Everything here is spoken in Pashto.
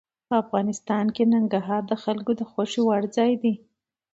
افغانستان کې ننګرهار د خلکو د خوښې وړ ځای دی.